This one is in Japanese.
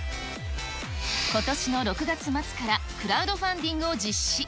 ことしの６月末からクラウドファンディングを実施。